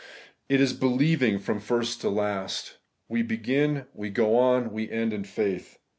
It is ' believing ' from first to last. We begin, we go on, we end in faith.